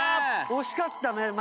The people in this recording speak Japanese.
惜しかったけどね。